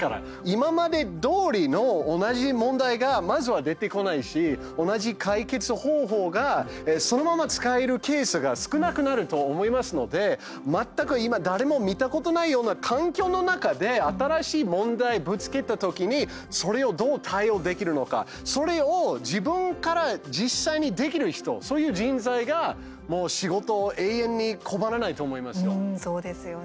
今までどおりの同じ問題がまずは出てこないし同じ解決方法がそのまま使えるケースが少なくなると思いますので全く、今、誰も見たことないような環境の中で新しい問題ぶつけたときにそれをどう対応できるのかそれを自分から実際にできる人そういう人材が仕事永遠に困らないと思いますよ。